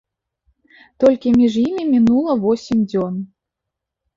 Толькі між імі мінула восем дзён.